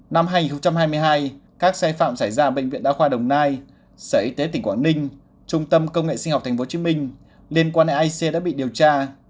năm hai nghìn hai mươi hai các sai phạm xảy ra ở bệnh viện đa khoa đồng nai sở y tế tỉnh quảng ninh trung tâm công nghệ sinh học tp hcm liên quan đến aic đã bị điều tra